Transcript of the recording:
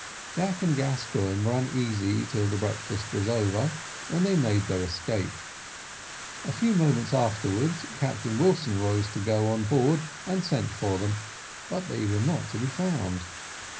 Jack and Gascoigne were uneasy till the breakfast was over, when they made their escape: a few moments afterwards Captain Wilson rose to go on board, and sent for them, but they were not to be found.